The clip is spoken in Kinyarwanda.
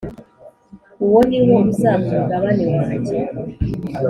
Uwo ni wo uzaba umugabane wanjye